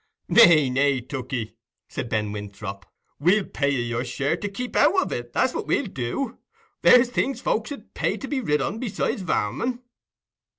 "Nay, nay, Tookey," said Ben Winthrop. "We'll pay you your share to keep out of it—that's what we'll do. There's things folks 'ud pay to be rid on, besides varmin."